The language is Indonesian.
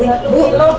itu bisa dilihat ini bu